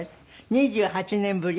２８年ぶり。